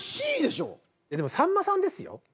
いやでもさんまさんですよ。